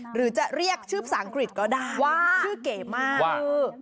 หรือจะเรียกชื่อภาษาอังกฤษก็ได้ว่าชื่อเก๋มากคือ